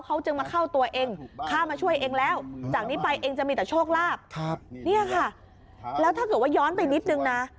เขาจึงมาเข้าตัวเองข้ามาช่วยเองแล้วจากนี้ไปเองจะมีแต่โชคลาภเนี่ยค่ะแล้วถ้าเกิดว่าย้อนไปนิดนึงนะ